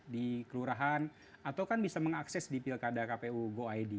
di kelurahan atau kan bisa mengakses di pilkada kpu go id